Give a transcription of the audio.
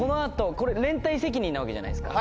これ連帯責任なわけじゃないですか。